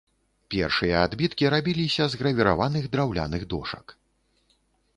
Першыя адбіткі рабіліся з гравіраваных драўляных дошак.